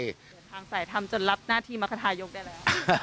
เดินทางสายทำจนรับหน้าที่มรคทายกได้แล้ว